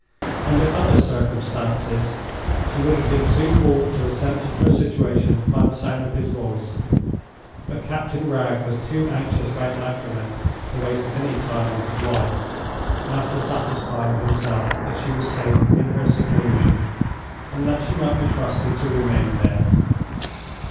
Under other circumstances she would have been soon brought to a sense of her situation by the sound of his voice. But Captain Wragge was too anxious about Magdalen to waste any time on his wife, after satisfying himself that she was safe in her seclusion, and that she might be trusted to remain there.